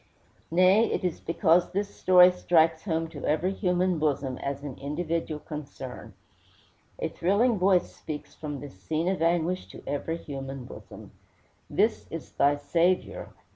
Nay, it is because this story strikes home to every human bosom as an individual concern. A thrilling voice speaks from this scene of anguish to every human bosom: This is thy Saviour.